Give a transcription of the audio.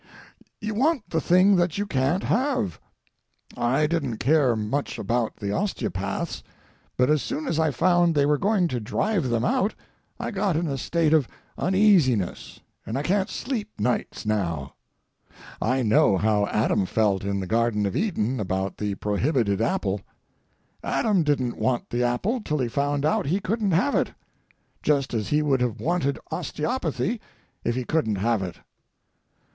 You want the thing that you can't have. I didn't care much about the osteopaths, but as soon as I found they were going to drive them out I got in a state of uneasiness, and I can't sleep nights now. I know how Adam felt in the Garden of Eden about the prohibited apple. Adam didn't want the apple till he found out he couldn't have it, just as he would have wanted osteopathy if he couldn't have it.